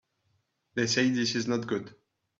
They say this is not good.